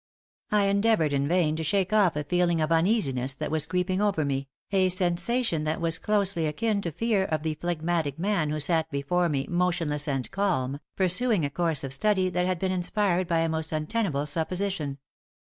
I endeavored in vain to shake off a feeling of uneasiness that was creeping over me, a sensation that was closely akin to fear of the phlegmatic man who sat before me motionless and calm, pursuing a course of study that had been inspired by a most untenable supposition.